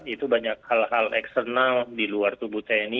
itu banyak hal hal eksternal di luar tubuh tni